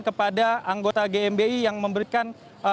kepada anggota gmbi yang memberikan